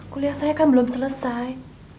kuliah saya kan belum selesai